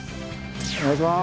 お願いします。